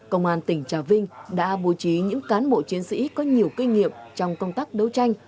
công an tỉnh trà vinh đã bố trí những cán bộ chiến sĩ có nhiều kinh nghiệm trong công tác đấu tranh